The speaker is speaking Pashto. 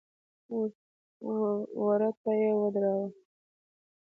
وره ته يې ودراوه.